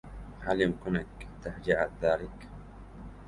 هل يمكنك تهجئة ذلك؟